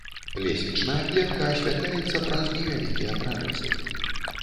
Лесвічная клетка асвятляецца праз невялікія прарэзы.